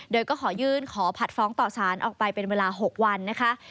โดยก็ขอยื่นขอผัดฟ้องต่อสารออกไปเป็นเวลา๖วันนะคะ